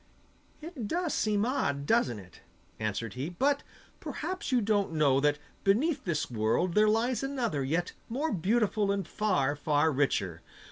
'It does seem odd, doesn't it?' answered he. 'But perhaps you don't know that beneath this world there lies another yet more beautiful and far, far richer.